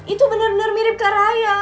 itu bener bener mirip kak raya